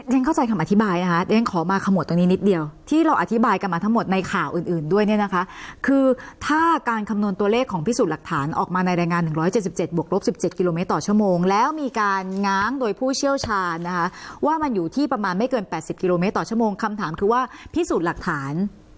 ฉันเข้าใจคำอธิบายนะคะเรียนขอมาขมวดตรงนี้นิดเดียวที่เราอธิบายกันมาทั้งหมดในข่าวอื่นด้วยเนี่ยนะคะคือถ้าการคำนวณตัวเลขของพิสูจน์หลักฐานออกมาในรายงาน๑๗๗บวกลบ๑๗กิโลเมตรต่อชั่วโมงแล้วมีการง้างโดยผู้เชี่ยวชาญนะคะว่ามันอยู่ที่ประมาณไม่เกิน๘๐กิโลเมตรต่อชั่วโมงคำถามคือว่าพิสูจน์หลักฐาน